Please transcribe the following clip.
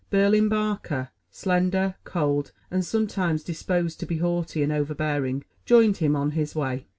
Berlin Barker, slender, cold, and sometimes disposed to be haughty and overbearing, joined him on his way.